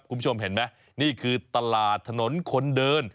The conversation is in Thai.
คุณผู้ชมเห็นไหมนี่คือตลาดถนนคนเดิน